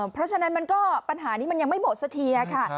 เพราะฉะนั้นปัญหานี้มันยังไม่หมดเสียค่ะ